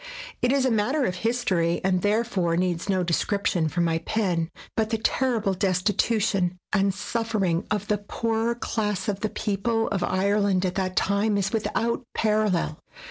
It is a matter of history, and therefore needs no description from my pen; but the ter rible destitution and suffering of the poorer class of the people of Ireland at that time is without parallel.